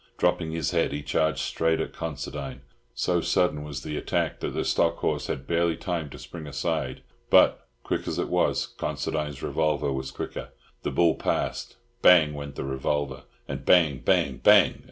Dropping his head, he charged straight at Considine. So sudden was the attack that the stock horse had barely time to spring aside; but, quick as it was, Considine's revolver was quicker. The bull passed—bang! went the revolver, and bang! bang! bang!